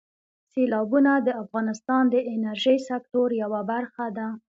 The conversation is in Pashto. سیلابونه د افغانستان د انرژۍ سکتور یوه برخه ده.